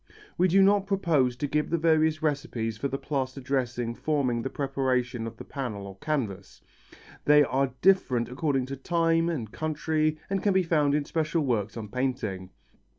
We do not propose to give the various recipes for the plaster dressing forming the preparation of the panel or canvas. They are different according to time and country and can be found in special works on painting.